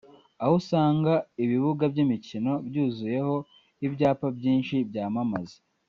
aho usanga ibibuga by’imikino byuzuyeho ibyapa byinshi byamamaza